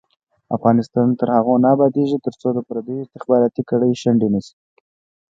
افغانستان تر هغو نه ابادیږي، ترڅو د پردیو استخباراتي کړۍ شنډې نشي.